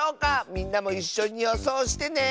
みんなもいっしょによそうしてね！